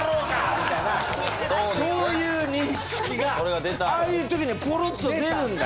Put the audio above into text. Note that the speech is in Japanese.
みたいなそういう認識がああいう時にポロッと出るんだよ。